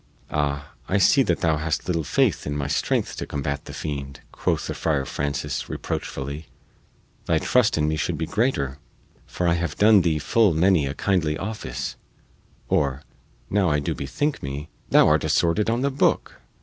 "Ah, I see that thou hast little faith in my strength to combat the fiend," quoth the Friar Francis reproachfully. "Thy trust in me should be greater, for I have done thee full many a kindly office; or, now I do bethink me, thou art assorted on the booke!